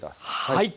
はい。